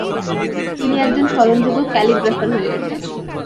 তিনি একজন স্মরণযোগ্য ক্যালিগ্রাফার হয়ে ওঠেন।